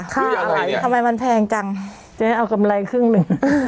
ค่ะทำไมมันแพงจังเจ๊เอากำลัยครึ่งหนึ่ง